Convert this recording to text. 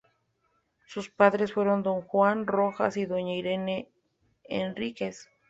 Sus padres fueron Don Juan Rojas y Doña Irene Enríquez.